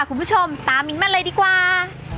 คุณผู้ชมตามมิ้นมาเลยดีกว่า